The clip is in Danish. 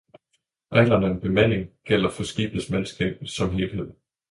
Reglerne om bemanding gælder for skibets mandskab som helhed.